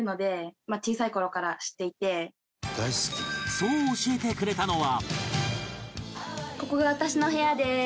そう教えてくれたのは